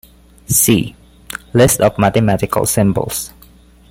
See: List of mathematical symbols.